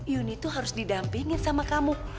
iayuni tuh harus didampingin sama kamu